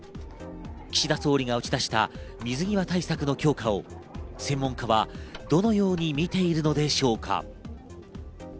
岸田総理が打ち出した水際対策の強化を専門家はどのように見ているのでしょうか。